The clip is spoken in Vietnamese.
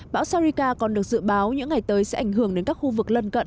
bão srica còn được dự báo những ngày tới sẽ ảnh hưởng đến các khu vực lân cận